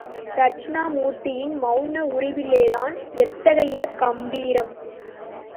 தட்சிணாமூர்த்தியின் மௌன உருவிலேதான் எத்தகைய கம்பீரம்!